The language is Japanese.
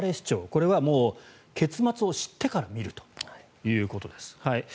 これは結末を知ってから見るということです。